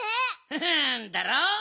フフンだろ？